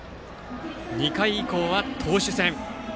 ２回以降は投手戦。